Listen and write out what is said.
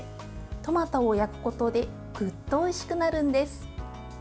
トマトを焼くことでぐっとおいしくなるんです。